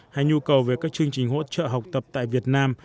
hay nhu cầu về các chương trình hỗ trợ học tập tại việt nam